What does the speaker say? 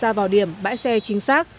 đưa xe ra vào điểm bãi xe chính xác